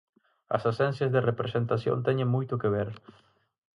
As axencias de representación teñen moito que ver.